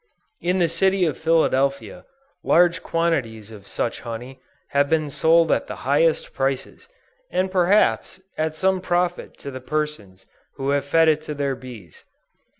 In the City of Philadelphia, large quantities of such honey have been sold at the highest prices, and perhaps at some profit to the persons who have fed it to their bees.